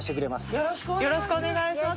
よろしくお願いします。